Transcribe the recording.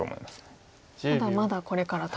まだまだこれからと。